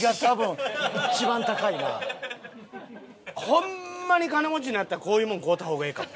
ホンマに金持ちになったらこういうもん買うた方がええかも。